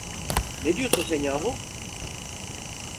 Ne diyorsun sen yahu?